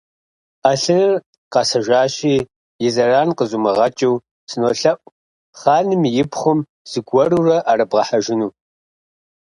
Ӏэлъыныр къэсхьыжащи, и зэран къызумыгъэкӀыу, сынолъэӀу, хъаным и пхъум зыгуэрурэ Ӏэрыбгъэхьэжыну.